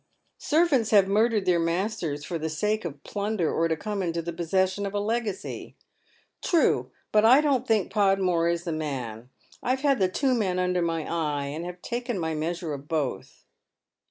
" Servants have murdered their masters for the sake of plun der, or to come into the possession of a legacy." " True, but I don't think Podmore is the man. I have had tha two men under my eye, and have taken my measure of both."